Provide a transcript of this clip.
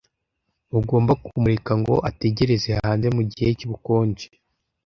Ntugomba kumureka ngo ategereze hanze mugihe cyubukonje.